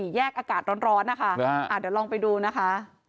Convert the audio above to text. แยกอากาศร้อนนะคะเดี๋ยวลองไปดูนะคะ